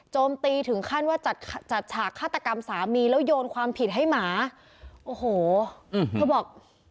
ตีถึงขั้นว่าจัดจัดฉากฆาตกรรมสามีแล้วโยนความผิดให้หมาโอ้โหเธอบอก